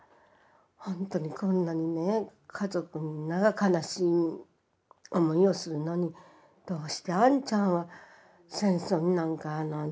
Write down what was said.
ほんとにこんなにね家族みんなが悲しい思いをするのにどうしてあんちゃんは戦争になんか出たんだろうかと思ってね。